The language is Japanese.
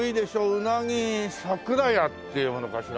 「うなぎ桜家」って読むのかしらね。